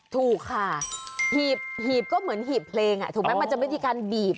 ถูกค่ะหีบก็เหมือนหีบเพลงถูกไหมมันจะไม่มีการบีบ